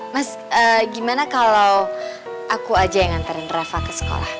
mas gimana kalau aku aja yang ngantarin rafa ke sekolah